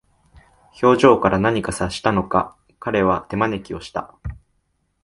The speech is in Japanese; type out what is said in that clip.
表情から何か察したのか、彼は手招きをした。